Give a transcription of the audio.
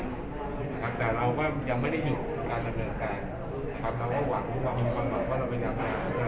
นะครับแต่เราก็ยังไม่ได้หยุดการหนับเริ่มการเราความหวังการประหารเข้ามา